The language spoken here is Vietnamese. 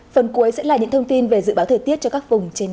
phần cuối sẽ là những thông tin về dự báo thời tiết cho các vùng trên đất nước